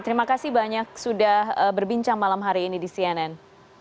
terima kasih banyak sudah berbincang malam hari ini di cnn